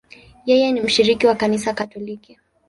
Yeye ni mshiriki wa Kanisa Katoliki.